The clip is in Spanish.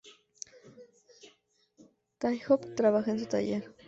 Трунов trabajaba en su taller.